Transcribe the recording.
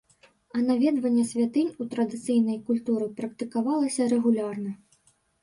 А наведванне святынь у традыцыйнай культуры практыкавалася рэгулярна.